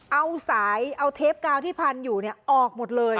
เอาสายเอาเทปกาวที่พันอยู่ออกหมดเลย